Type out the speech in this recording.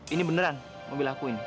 ini beneran mobil aku ini